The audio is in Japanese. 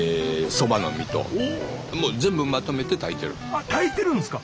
あっ炊いてるんですか？